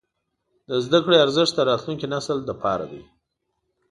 د زده کړې ارزښت د راتلونکي نسل لپاره دی.